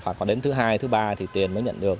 phải qua đến thứ hai thứ ba thì tiền mới nhận được